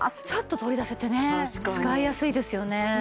サッと取り出せてね使いやすいですよね。